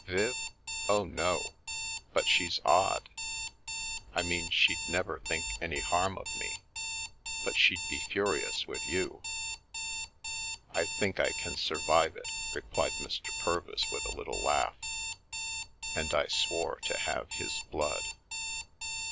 " Viv ? Oh, no— but she's odd. I mean she'd nev think any harm of me, but she'd be furious with you." " I think I can survive it," replied Mr. Purvis wi a little laugh, and I swore to have his blood.